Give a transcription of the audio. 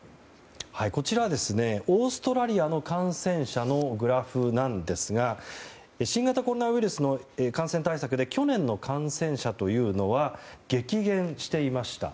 こちらオーストラリアの感染者のグラフなんですが新型コロナウイルスの感染対策で去年の感染者というのは激減していました。